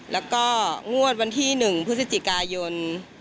แล้วก็งวดวันที่๑พฤศจิกายน